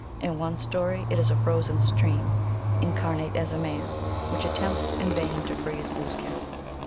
In one story it is a frozen stream, incarnate as a man, which attempts in vain to freeze Glooskap.